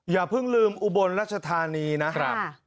อย่าเพิ่งลืมอุบลรัชธานีนะครับ